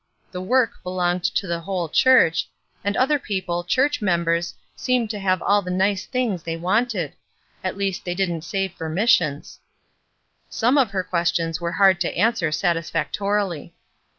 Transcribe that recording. The work belonged to the whole church ; and other people, church members, seemed to have all the nice things they wanted; at least they didn't save for missions. Some of her questions were hard to answer satisfactorily.